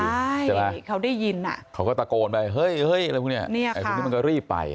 ใช่เขาได้ยินเขาก็ตะโกนไปเฮ้ยอะไรพวกนี้ไอ้คนนี้มันก็รีบไป